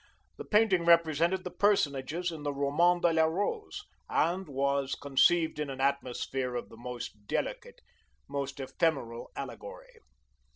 The painting represented the personages in the Romaunt de la Rose, and was conceived in an atmosphere of the most delicate, most ephemeral allegory.